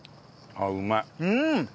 あっうまい。